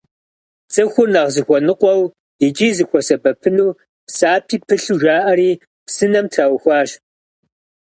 Цӏыхур нэхъ зыхуэныкъуэу икӏи къахуэсэбэпыну, псапи пылъу жаӏэри псынэм траухуащ.